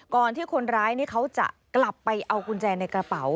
ที่คนร้ายนี่เขาจะกลับไปเอากุญแจในกระเป๋า